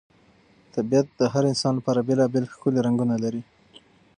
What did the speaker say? طبیعت د هر انسان لپاره بېلابېل ښکلي رنګونه لري.